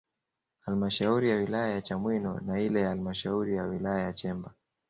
Halmashauri ya Wilaya ya Chamwino na ile halmashauri ya wilaya ya Chemba